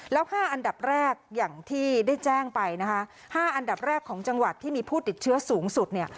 แล้ว๕อันดับแรกอย่างที่ได้แจ้งไปนะคะ๕อันดับแรกของจังหวัดที่มีผู้ติดเชื้อสูงสุดเนี่ย